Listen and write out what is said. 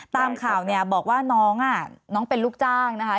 ตามข่าวเนี่ยบอกว่าน้องน้องเป็นลูกจ้างนะคะ